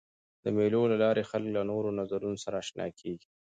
د مېلو له لاري خلک له نوو نظرونو سره آشنا کيږي.